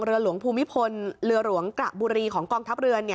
เรือหลวงภูมิพลเรือหลวงกระบุรีของกองทัพเรือ